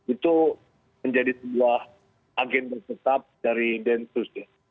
itu menjadi sebuah agenda tetap dari densus ya